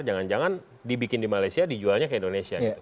jangan jangan dibikin di malaysia dijualnya ke indonesia gitu